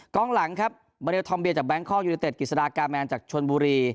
กล้องหลังครับบริเวิลทอมเบียนจากแบงค์คอล์กยูนิเตศกิสดาการ์แมนจากชวนบุรี